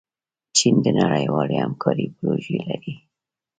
چین د نړیوالې همکارۍ پروژې لري.